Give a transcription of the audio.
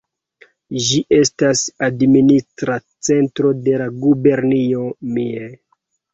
Ĝi estas administra centro de la gubernio Mie.